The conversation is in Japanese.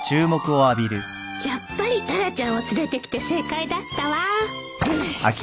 やっぱりタラちゃんを連れてきて正解だったわ